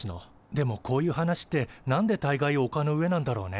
でもこういう話ってなんでたいがいおかの上なんだろうね。